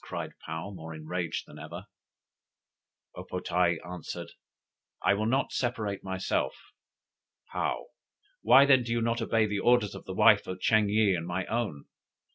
cried Paou, more enraged than ever. O po tae answered: "I will not separate myself." Paou: "Why then do you not obey the orders of the wife of Ching yih and my own?